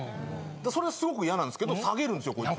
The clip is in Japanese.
それは凄く嫌なんですけど下げるんですよこいつ。